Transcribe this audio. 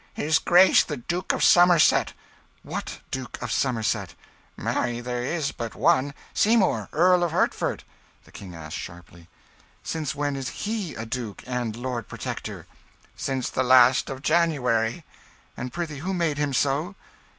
"His Grace the Duke of Somerset." "What Duke of Somerset?" "Marry, there is but one Seymour, Earl of Hertford." The King asked sharply "Since when is he a duke, and Lord Protector?" "Since the last day of January." "And prithee who made him so?"